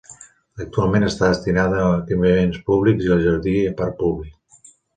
Actualment està destinada a equipaments públics i el jardí a parc públic.